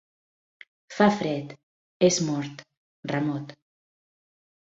Fa fred, és mort, remot.